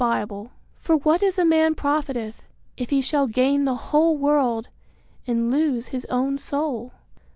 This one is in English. Bible_. For what is a man profited, if he shall gain the whole world and lose his own soul?